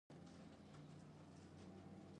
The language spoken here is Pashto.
مچمچۍ د هر کندو ځانګړېندنه لري